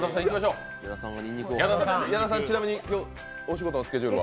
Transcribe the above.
矢田さん、ちなみに今日はお仕事のスケジュールは？